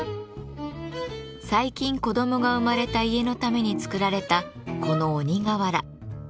最近子どもが生まれた家のために作られたこの鬼瓦。